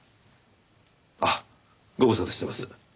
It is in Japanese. あっご無沙汰してます。